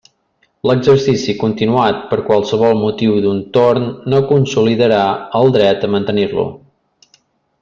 L'exercici continuat per qualsevol motiu d'un torn no consolidarà el dret a mantenir-lo.